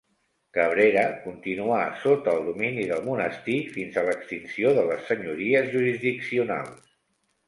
Cabrera continuà sota el domini del monestir fins a l'extinció de les senyories jurisdiccionals.